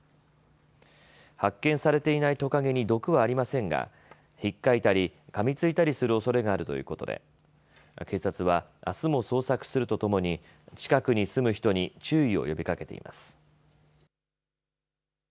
発見されていないトカゲに毒はありませんがひっかいたり、かみついたりするおそれがあるということで警察はあすも捜索するとともに近くに住む人に注意を呼びかけています。